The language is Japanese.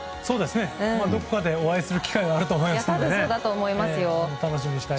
どこかでお会いする機会があると思いますのでね